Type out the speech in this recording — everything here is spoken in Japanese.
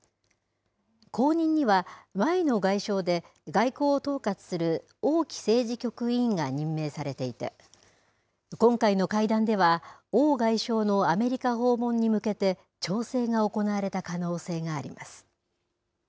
後任には、前の外相で、外交を統括する王毅政治局委員が任命されていて、今回の会談では、王外相のアメリカ訪問に向けて、調整が行われた可能性があります。